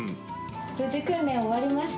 無事、訓練終わりました。